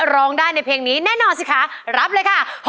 ร้องได้ในเพลงนี้แน่นอนสิคะรับเลยค่ะ